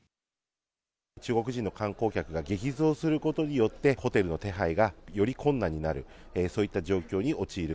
中国人の観光客が激増することによって、ホテルの手配がより困難になる、そういった状況に陥る。